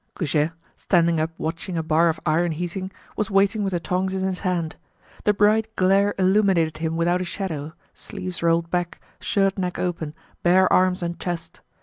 Goujet, standing up watching a bar of iron heating, was waiting with the tongs in his hand. The bright glare illuminated him without a shadow—sleeves rolled back, shirt neck open, bare arms and chest.